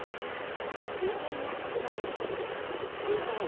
１０円安くなると牛タン